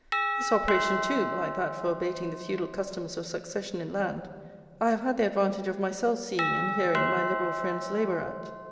This operation, too, like that for abating the feudal customs of succession in land, I have had the advantage of myself seeing and hearing my Liberal friends labour at.